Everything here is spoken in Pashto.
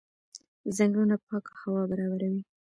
ځنګلونه پاکه هوا برابروي.